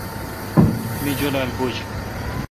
می جولال بوُجھ۔